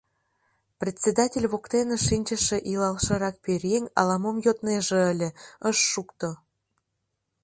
Председатель воктене шинчыше илалшырак пӧръеҥ ала-мом йоднеже ыле, ыш шукто.